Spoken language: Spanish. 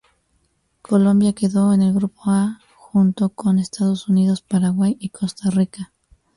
Colombia quedó en el Grupo A junto con Estados Unidos, Paraguay y Costa Rica.